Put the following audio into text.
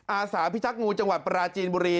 อาสาพิทักษ์งูจังหวัดปราจีนบุรี